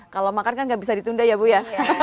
kalau makan kan gak bisa ditunda ya ibu ya